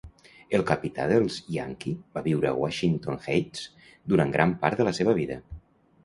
El capità dels Yankee va viure a Washington Heights durant gran part de la seva vida.